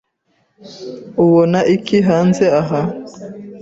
Ubona iki hanze aha?